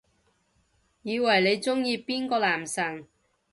以為你鍾意邊個男神